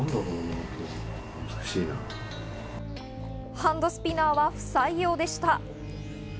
ハンドスピナーは不採用でした。